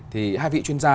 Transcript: thì hai vị chuyên gia